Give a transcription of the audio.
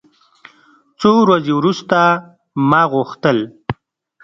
څو ورځې وروسته ما غوښتل.